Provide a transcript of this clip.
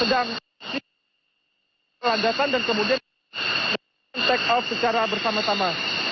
sedang berlancar dan kemudian melakukan take off secara bersama sama